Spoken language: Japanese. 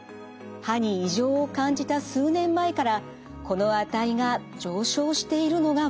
歯に異常を感じた数年前からこの値が上昇しているのが分かります。